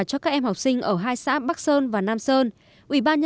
cho các em học sinh ở hai xã bắc sơn và nam sơn